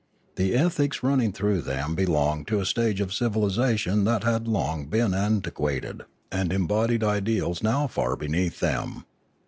The ethics running through them belonged to a stage of civilisa tion that had been long antiquated, and embodied ideals now far beneath them.